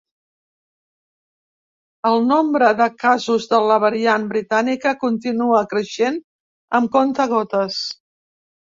El nombre de casos de la variant britànica continua creixent amb comptagotes.